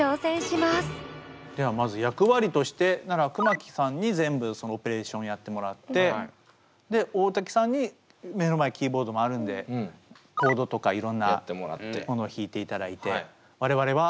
ではまず役割としてなら熊木さんに全部そのオペレーションをやってもらってで大瀧さんに目の前キーボードもあるんでコードとかいろんなものを弾いていただいて我々は。